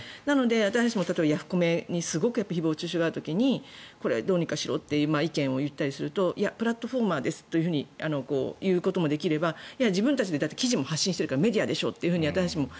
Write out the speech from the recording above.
私たちもヤフコメにすごい誹謗・中傷がある時にこれはどうにかしろと意見を言ったりするといや、プラットフォーマーですと言うこともできれば自分たちで記事を発信してるからメディアでしょと。